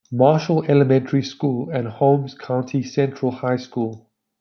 Marshall Elementary School and Holmes County Central High School.